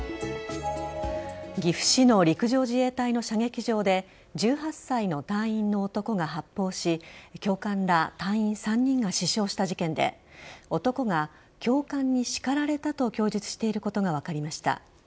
岐阜市の陸上自衛隊の射撃場で１８歳の隊員の男が発砲し教官ら隊員３人が死傷した事件で男が教官に叱られたと供述していることが分かりました。